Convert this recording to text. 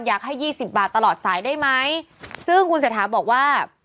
มันอยากให้๒๐บาทตลอดสายได้ไหมซึ่งกุญแสธาบอกว่า